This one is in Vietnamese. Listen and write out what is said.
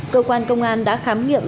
cơ quan công an đã khám nghiệm